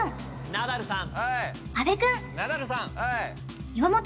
ナダルさん